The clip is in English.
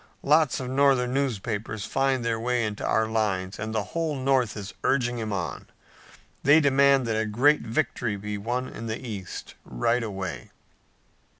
Lots of Northern newspapers find their way into our lines, and the whole North is urging him on. They demand that a great victory be won in the east right away."